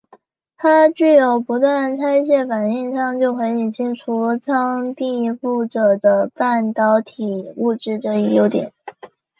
它具有不需拆卸反应舱就可以清除舱壁附着的半导体物质这一优点。